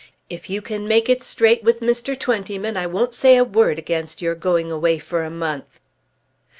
"If you can make it straight with Mr. Twentyman I won't say a word against your going away for a month."